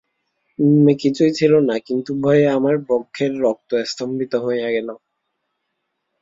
নিম্নে কিছুই ছিল না, কিন্তু ভয়ে আমার বক্ষের রক্ত স্তম্ভিত হইয়া গেল।